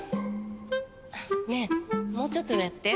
ねえもうちょっと上やって。